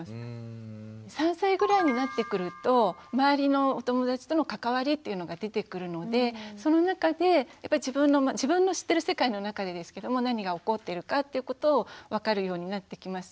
３歳ぐらいになってくると周りのお友達との関わりというのが出てくるのでその中で自分の知ってる世界の中でですけども何が起こっているかっていうことを分かるようになってきますし。